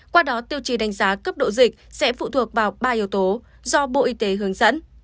qua đó tiêu chí đánh giá cấp độ dịch sẽ phụ thuộc vào ba yếu tố do bộ y tế hướng dẫn